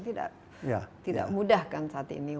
tidak mudah kan saat ini